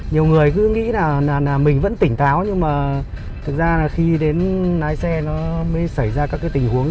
nhiều người cứ nghĩ là mình vẫn tỉnh tháo nhưng mà thực ra là khi đến lái xe nó mới xảy ra các cái tình huống